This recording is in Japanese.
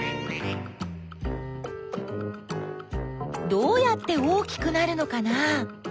どうやって大きくなるのかな？